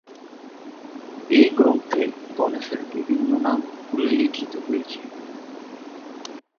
এই গ্রন্থে গণেশের বিভিন্ন নাম উল্লিখিত হয়েছে।